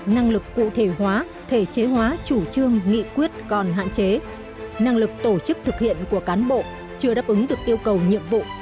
năng lực cụ thể hóa thể chế hóa chủ trương nghị quyết còn hạn chế năng lực tổ chức thực hiện của cán bộ chưa đáp ứng được yêu cầu nhiệm vụ